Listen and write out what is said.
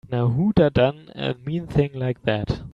Now who'da done a mean thing like that?